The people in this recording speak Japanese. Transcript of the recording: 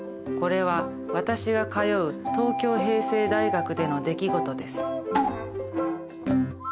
これは私が通う東京平成大学での出来事です。